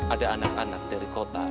ada anak anak dari kota